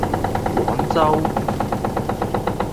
廣州